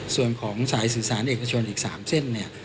ส่วนของสายสื่อสารเอกชนอีก๓เส้นเนี่ย